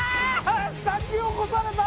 先を越された！